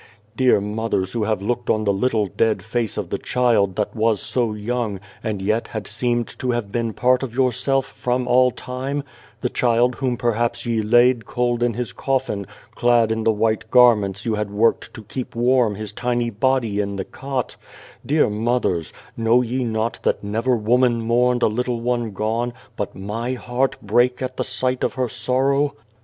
" Dear mothers who have looked on the little dead face of the child that was so young, and yet had seemed to have been part of your self, from all time ; the child whom perhaps ye laid cold in his coffin, clad in the white gar ments you had worked to keep warm his tiny body in the cot dear mothers, know ye not that never woman mourned a little one gone, but My heart brake at sight of her sorrow